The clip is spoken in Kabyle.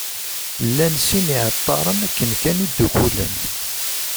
Llan sin n yiεeṭṭaren akken kan i ddukkulen.